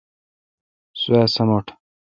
سوا سمٹ